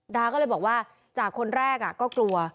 ดาก็เลยบอกว่าจากคนแรกก็กลัว